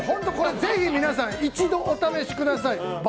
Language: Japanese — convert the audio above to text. ぜひ皆さん一度お試しください。